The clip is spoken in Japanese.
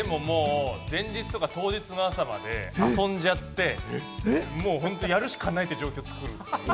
前日、当日の朝まで遊んじゃって、やるしかないという状況を作る。